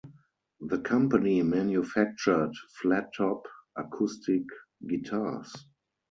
The company manufactured flattop acoustic guitars.